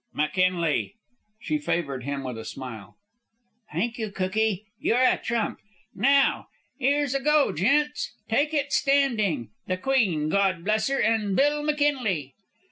"McKinley." She favored him with a smile. "Thank you, cookie, you're a trump. Now! 'Ere's a go, gents! Take it standing. The Queen, Gawd bless 'er, and Bill McKinley!"